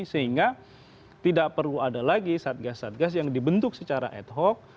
sehingga tidak perlu ada lagi satgas satgas yang dibentuk secara ad hoc